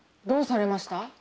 どうされました？